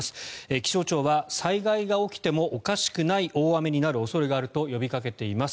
気象庁は災害が起きてもおかしくない大雨にある恐れがあると呼びかけています。